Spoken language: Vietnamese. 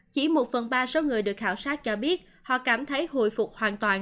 chỉ một phần ba số người được khảo sát cho biết họ cảm thấy hồi phục hoàn toàn